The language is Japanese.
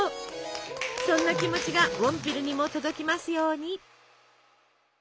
そんな気持ちがウォンピルにも届きますように！